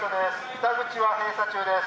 北口は閉鎖中です。